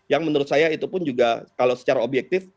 yang menurut saya itu pun juga kalau secara objektif